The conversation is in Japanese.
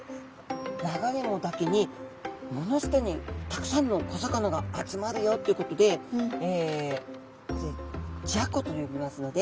流れ藻だけに藻の下にたくさんの小魚が集まるよってことで雑魚と呼びますので。